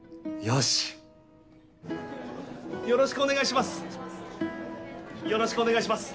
よろしくお願いします